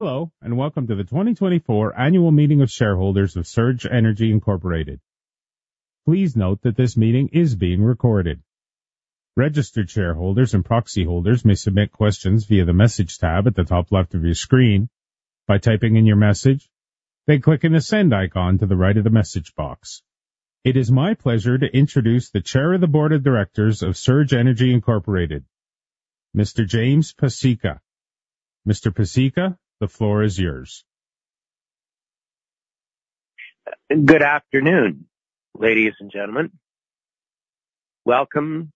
Hello, welcome to the 2024 annual meeting of shareholders of Surge Energy Inc. Please note that this meeting is being recorded. Registered shareholders and proxy holders may submit questions via the message tab at the top left of your screen by typing in your message, then clicking the send icon to the right of the message box. It is my pleasure to introduce the Chair of the Board of Directors of Surge Energy Incorporated, Mr. James Pasieka. Mr. Pasieka, the floor is yours. Good afternoon, ladies and gentlemen. Welcome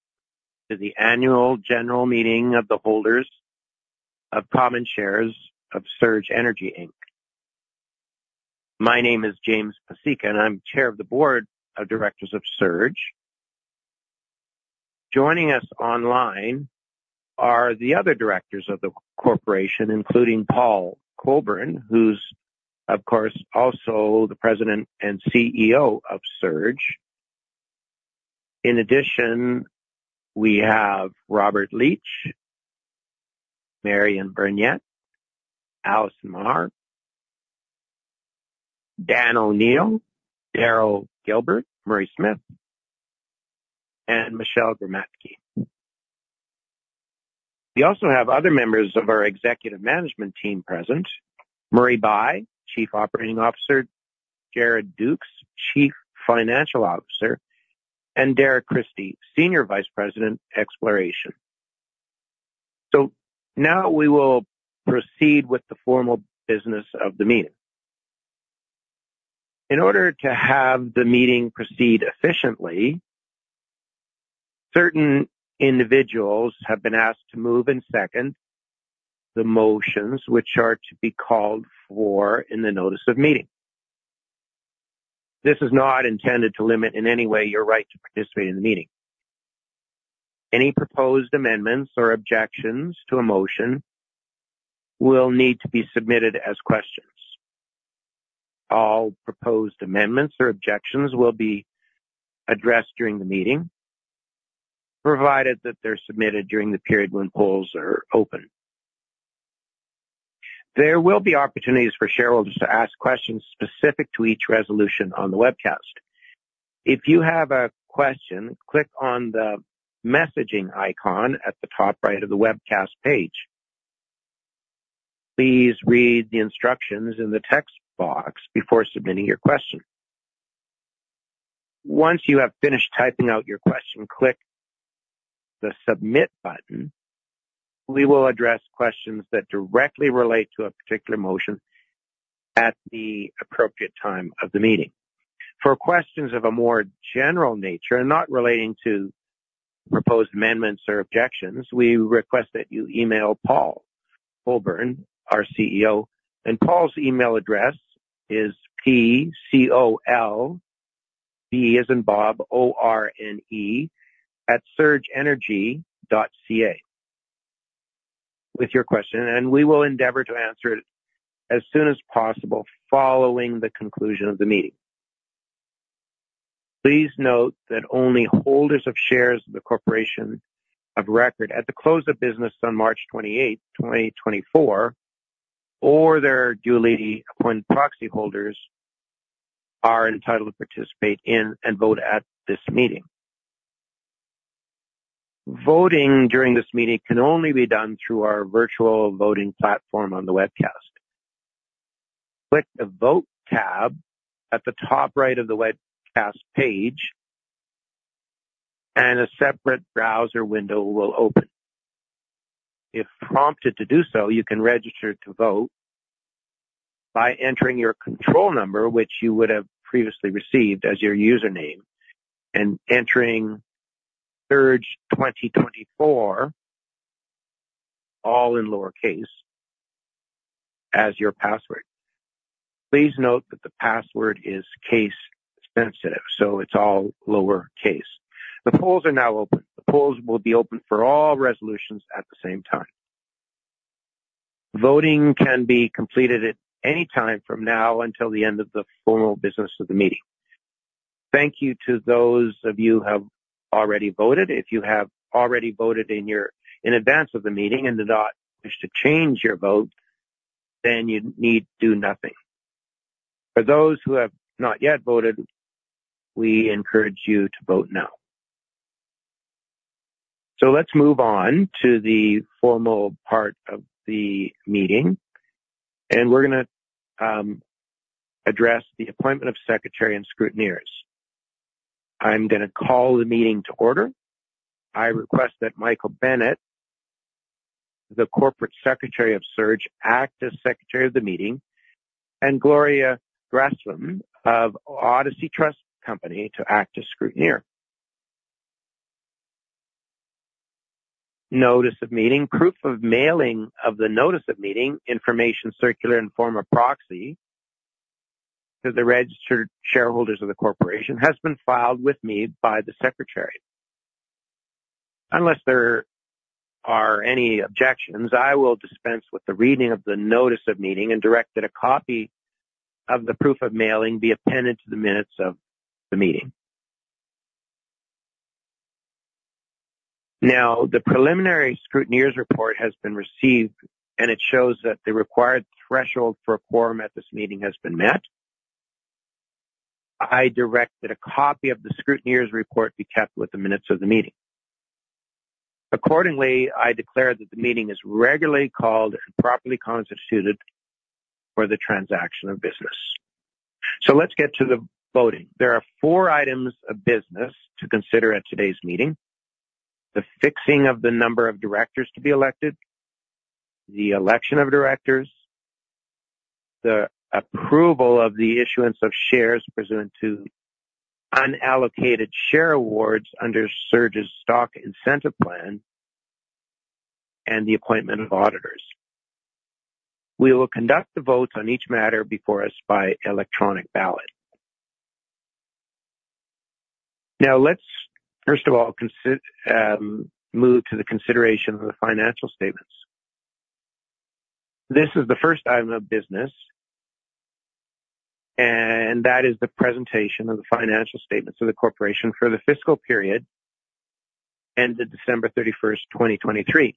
to the annual general meeting of the holders of common shares of Surge Energy Inc. My name is James Pasieka, and I'm Chair of the Board of Directors of Surge. Joining us online are the other directors of the corporation, including Paul Colborne, who's, of course, also the President and CEO of Surge. In addition, we have Robert Leach, Marion Burnyeat, Allison Maher, Dan O'Neil, Daryl Gilbert, Murray Smith, and Michelle Gramatke. We also have other members of our executive management team present. Murray Bye, Chief Operating Officer, Jared Ducs, Chief Financial Officer, and Derek Christie, Senior Vice President, Exploration. Now we will proceed with the formal business of the meeting. In order to have the meeting proceed efficiently, certain individuals have been asked to move and second the motions which are to be called for in the notice of meeting. This is not intended to limit in any way your right to participate in the meeting. Any proposed amendments or objections to a motion will need to be submitted as questions. All proposed amendments or objections will be addressed during the meeting, provided that they're submitted during the period when polls are open. There will be opportunities for shareholders to ask questions specific to each resolution on the webcast. If you have a question, click on the messaging icon at the top right of the webcast page. Please read the instructions in the text box before submitting your question. Once you have finished typing out your question, click the submit button. We will address questions that directly relate to a particular motion at the appropriate time of the meeting. For questions of a more general nature and not relating to proposed amendments or objections, we request that you email Paul Colborne, our CEO, and Paul's email address is P-C-O-L-B, as in Bob, O-R-N-E @surgeenergy.ca with your question, and we will endeavor to answer it as soon as possible following the conclusion of the meeting. Please note that only holders of shares of the corporation of record at the close of business on March 28, 2024, or their duly appointed proxy holders are entitled to participate in and vote at this meeting. Voting during this meeting can only be done through our virtual voting platform on the webcast. Click the Vote tab at the top right of the webcast page. A separate browser window will open. If prompted to do so, you can register to vote by entering your control number, which you would have previously received as your username, and entering "surge2024", all in lowercase, as your password. Please note that the password is case sensitive, so it's all lowercase. The polls are now open. The polls will be open for all resolutions at the same time. Voting can be completed at any time from now until the end of the formal business of the meeting. Thank you to those of you who have already voted. If you have already voted in advance of the meeting and do not wish to change your vote, then you need do nothing. For those who have not yet voted, we encourage you to vote now. Let's move on to the formal part of the meeting, and we're going to address the appointment of secretary and scrutineers. I'm going to call the meeting to order. I request that Michael Bennett, the Corporate Secretary of Surge, act as secretary of the meeting, and Gloria Gherasim of Odyssey Trust Company to act as scrutineer. Notice of meeting. Proof of mailing of the notice of meeting, information circular, and form of proxy to the registered shareholders of the corporation has been filed with me by the secretary. Unless there are any objections, I will dispense with the reading of the notice of meeting and direct that a copy of the proof of mailing be appended to the minutes of the meeting. The preliminary scrutineer's report has been received, and it shows that the required threshold for a quorum at this meeting has been met. I direct that a copy of the scrutineer's report be kept with the minutes of the meeting. Accordingly, I declare that the meeting is regularly called and properly constituted for the transaction of business. Let's get to the voting. There are four items of business to consider at today's meeting. The fixing of the number of directors to be elected, the election of directors, the approval of the issuance of shares pursuant to unallocated share awards under Surge's stock incentive plan, and the appointment of auditors. We will conduct the votes on each matter before us by electronic ballot. Let's first of all, move to the consideration of the financial statements. This is the first item of business, and that is the presentation of the financial statements of the corporation for the fiscal period ended December 31st, 2023,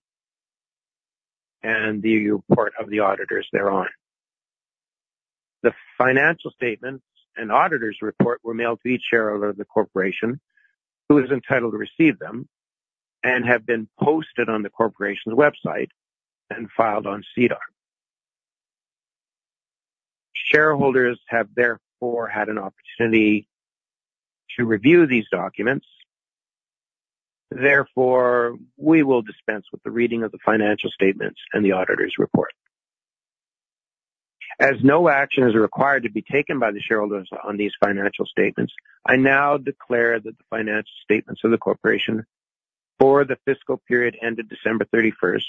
and the report of the auditors thereon. The financial statements and auditor's report were mailed to each shareholder of the corporation who is entitled to receive them and have been posted on the corporation's website and filed on SEDAR. Shareholders have therefore had an opportunity to review these documents. Therefore, we will dispense with the reading of the financial statements and the auditor's report. As no action is required to be taken by the shareholders on these financial statements, I now declare that the financial statements of the corporation for the fiscal period ended December 31st,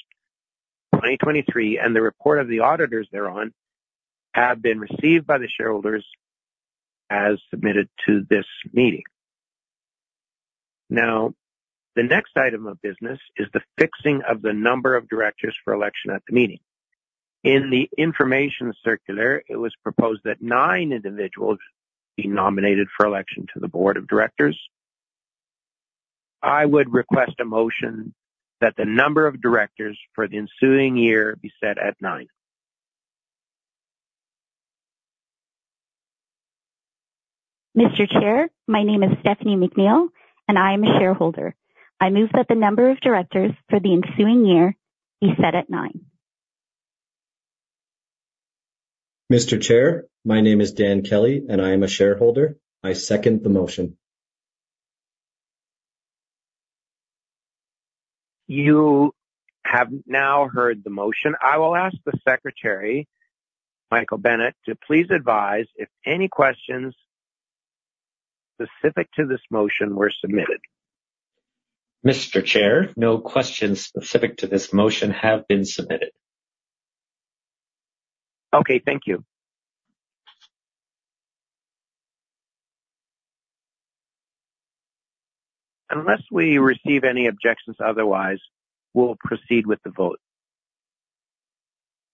2023, and the report of the auditors thereon, have been received by the shareholders as submitted to this meeting. The next item of business is the fixing of the number of directors for election at the meeting. In the information circular, it was proposed that nine individuals be nominated for election to the board of directors. I would request a motion that the number of directors for the ensuing year be set at nine. Mr. Chair, my name is Stephanie McNeil, and I am a shareholder. I move that the number of directors for the ensuing year be set at nine. Mr. Chair, my name is Dan Kelly, and I am a shareholder. I second the motion. You have now heard the motion. I will ask the secretary, Michael Bennett, to please advise if any questions specific to this motion were submitted. Mr. Chair, no questions specific to this motion have been submitted. Okay, thank you. Unless we receive any objections otherwise, we'll proceed with the vote.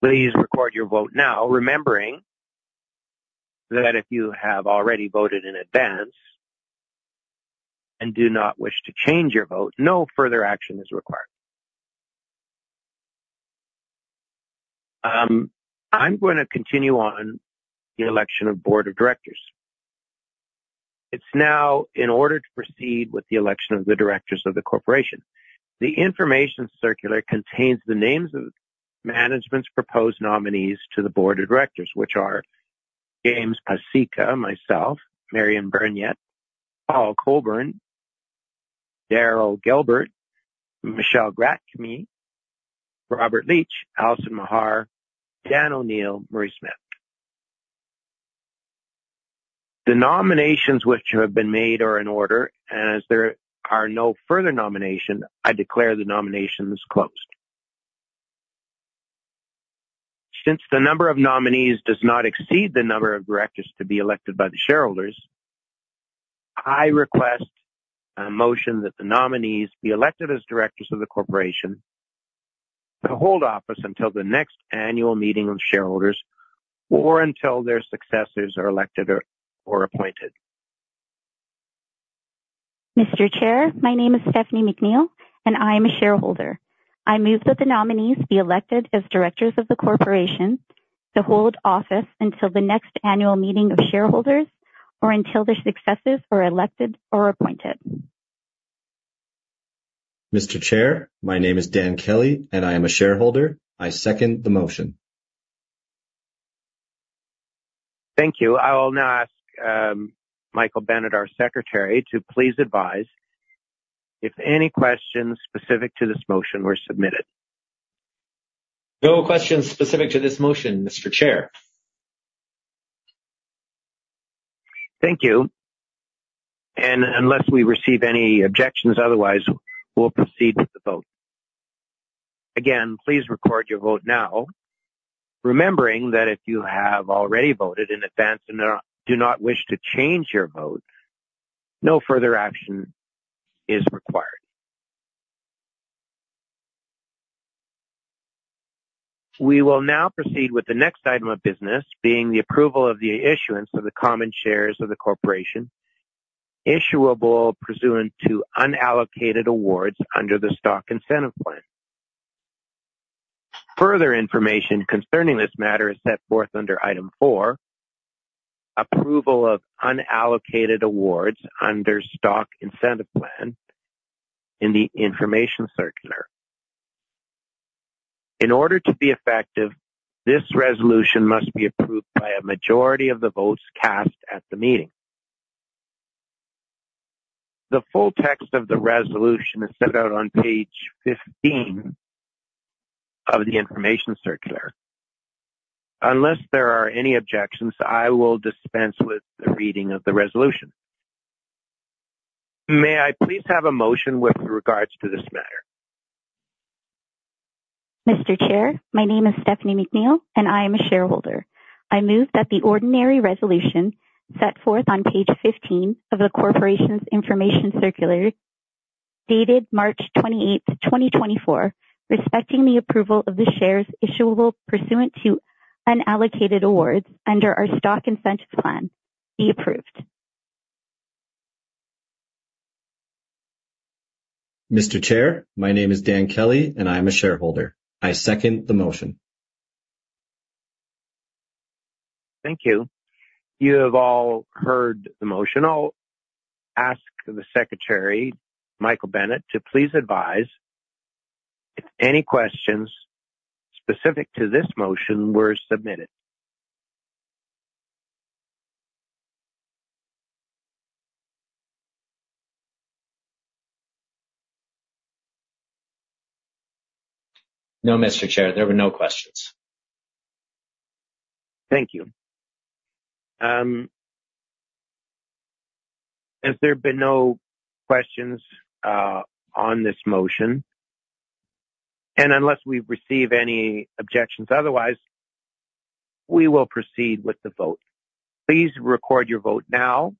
Please record your vote now, remembering that if you have already voted in advance and do not wish to change your vote, no further action is required. I'm going to continue on the election of board of directors. It's now in order to proceed with the election of the directors of the corporation. The information circular contains the names of management's proposed nominees to the board of directors, which are James Pasieka, myself, Marion Burnyeat, Paul Colborne, Daryl Gilbert, Michelle Gramatke, Robert Leach, Allison Maher, Dan O'Neil, Murray Smith. The nominations which have been made are in order, and as there are no further nominations, I declare the nominations closed. Since the number of nominees does not exceed the number of directors to be elected by the shareholders, I request a motion that the nominees be elected as directors of the corporation to hold office until the next annual meeting of shareholders or until their successors are elected or appointed. Mr. Chair, my name is Stephanie McNeil, and I am a shareholder. I move that the nominees be elected as directors of the corporation to hold office until the next annual meeting of shareholders or until their successors are elected or appointed. Mr. Chair, my name is Dan Kelly, I am a shareholder. I second the motion. Thank you. I will now ask Michael Bennett, our Secretary, to please advise if any questions specific to this motion were submitted. No questions specific to this motion, Mr. Chair. Thank you. Unless we receive any objections otherwise, we'll proceed with the vote. Again, please record your vote now, remembering that if you have already voted in advance and do not wish to change your vote, no further action is required. We will now proceed with the next item of business, being the approval of the issuance of the common shares of the corporation, issuable pursuant to unallocated awards under the stock incentive plan. Further information concerning this matter is set forth under Item Four: Approval of Unallocated Awards under Stock Incentive Plan in the information circular. In order to be effective, this resolution must be approved by a majority of the votes cast at the meeting. The full text of the resolution is set out on page 15 of the information circular. Unless there are any objections, I will dispense with the reading of the resolution. May I please have a motion with regards to this matter? Mr. Chair, my name is Stephanie McNeil, and I am a shareholder. I move that the ordinary resolution set forth on page 15 of the corporation's information circular, dated March 28th, 2024, respecting the approval of the shares issuable pursuant to unallocated awards under our stock incentive plan, be approved. Mr. Chair, my name is Dan Kelly, and I am a shareholder. I second the motion. Thank you. You have all heard the motion. I'll ask the secretary, Michael Bennett, to please advise if any questions specific to this motion were submitted. No, Mr. Chair. There were no questions. Thank you. As there have been no questions on this motion, unless we receive any objections otherwise, we will proceed with the vote. Please record your vote now.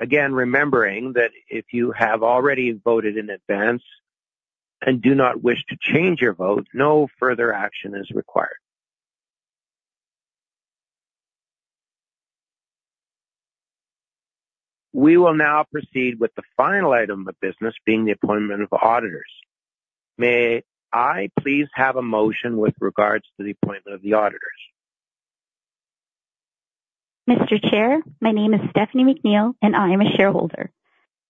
Again, remembering that if you have already voted in advance and do not wish to change your vote, no further action is required. We will now proceed with the final item of business being the appointment of auditors. May I please have a motion with regards to the appointment of the auditors? Mr. Chair, my name is Stephanie McNeil, and I am a shareholder.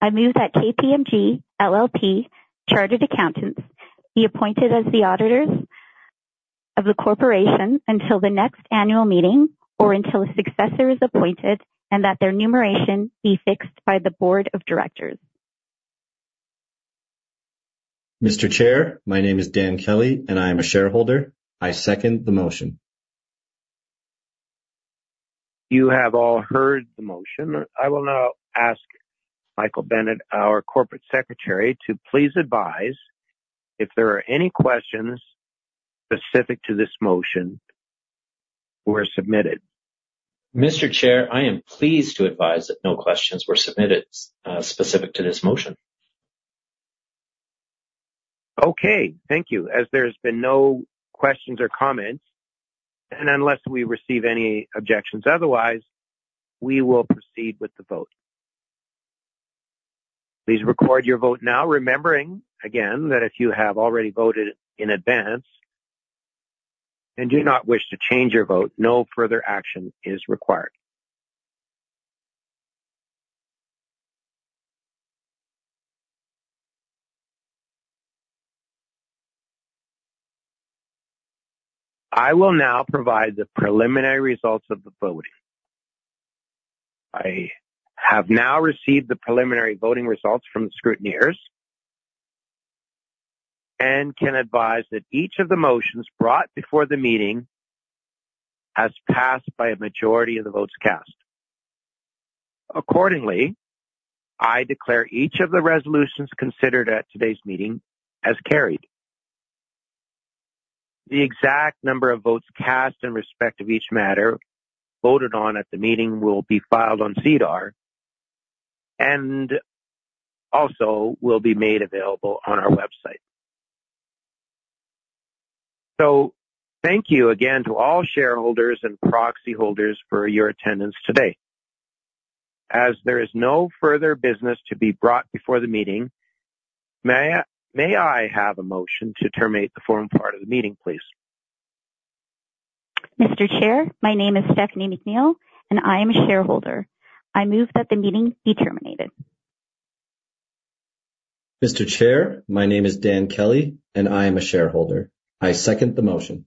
I move that KPMG LLP Chartered Accountants be appointed as the auditors of the corporation until the next annual meeting or until a successor is appointed, and that their remuneration be fixed by the board of directors. Mr. Chair, my name is Dan Kelly, and I am a shareholder. I second the motion. You have all heard the motion. I will now ask Michael Bennett, our Corporate Secretary, to please advise if there are any questions specific to this motion were submitted. Mr. Chair, I am pleased to advise that no questions were submitted specific to this motion. Thank you. As there's been no questions or comments, and unless we receive any objections otherwise, we will proceed with the vote. Please record your vote now, remembering, again, that if you have already voted in advance and do not wish to change your vote, no further action is required. I will now provide the preliminary results of the voting. I have now received the preliminary voting results from the scrutineers and can advise that each of the motions brought before the meeting has passed by a majority of the votes cast. Accordingly, I declare each of the resolutions considered at today's meeting as carried. The exact number of votes cast in respect of each matter voted on at the meeting will be filed on SEDAR and also will be made available on our website. Thank you again to all shareholders and proxy holders for your attendance today. There is no further business to be brought before the meeting, may I have a motion to terminate the forum part of the meeting, please? Mr. Chair, my name is Stephanie McNeil, and I am a shareholder. I move that the meeting be terminated. Mr. Chair, my name is Dan Kelly, and I am a shareholder. I second the motion.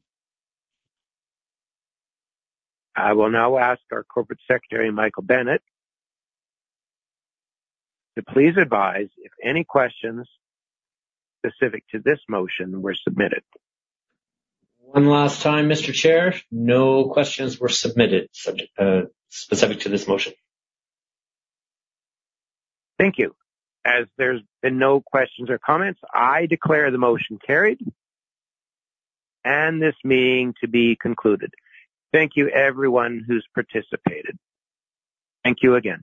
I will now ask our Corporate Secretary, Michael Bennett, to please advise if any questions specific to this motion were submitted. One last time, Mr. Chair. No questions were submitted specific to this motion. Thank you. As there's been no questions or comments, I declare the motion carried and this meeting to be concluded. Thank you everyone who's participated. Thank you again